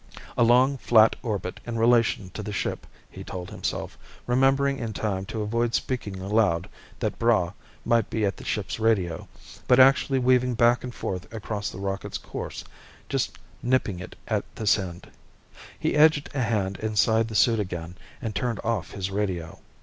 A long, flat orbit in relation to the ship, he told himself, remembering in time to avoid speaking aloud that Braigh might be at the ship's radio, but actually weaving back and forth across the rocket's course, just nipping it at this end. He edged a hand inside the suit again and turned off his radio.